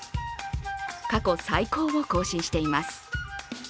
過去最高を更新しています。